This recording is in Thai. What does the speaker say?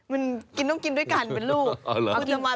มันกินต้องกินด้วยกันเป็นลูก